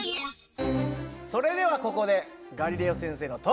それではここでガリレオ先生の登場です！